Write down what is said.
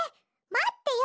まってよ！